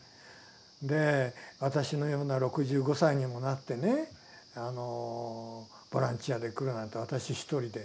で私のような６５歳にもなってねボランティアで来るなんて私一人で。